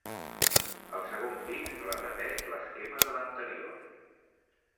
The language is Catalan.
El segon pis repeteix l'esquema de l'anterior.